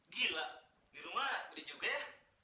gila di rumah gede juga ya